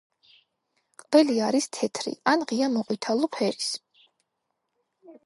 ყველი არის თეთრი ან ღია–მოყვითალო ფერის.